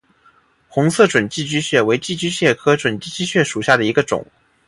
红色准寄居蟹为寄居蟹科准寄居蟹属下的一个种。